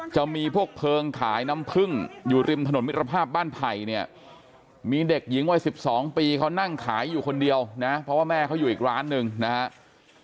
อยู่คนเดียวนะเพราะว่าแม่เขาอยู่อีกร้านหนึ่งนะครับ